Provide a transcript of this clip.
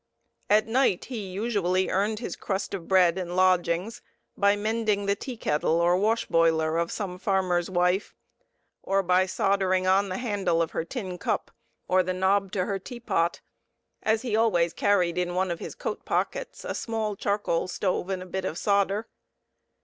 At night he usually earned his crust of bread and lodgings by mending the teakettle or wash boiler of some farmer's wife, or by soldering on the handle of her tin cup or the knob to her tea pot, as he always carried in one of his coat pockets a small charcoal stove and a bit of solder.